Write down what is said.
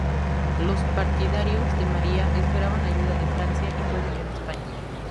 Los partidarios de María esperaban ayuda de Francia y puede que de España.